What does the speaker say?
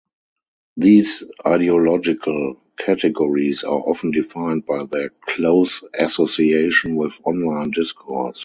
These ideological categories are often defined by their close association with online discourse.